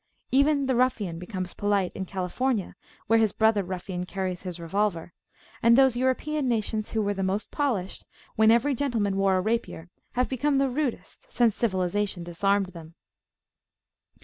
Even the ruffian becomes polite in California, where his brother ruffian carries his revolver, and those European nations who were most polished when every gentleman wore a rapier, have become the rudest since Civilisation disarmed them.